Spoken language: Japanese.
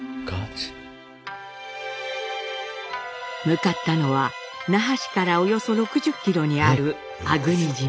向かったのは那覇市からおよそ６０キロにある粟国島。